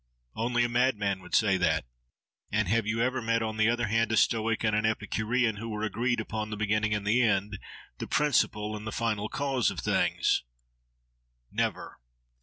only a madman would say that. —And have you ever met, on the other hand, a Stoic and an Epicurean who were agreed upon the beginning and the end, the principle and the final cause, of things? Never!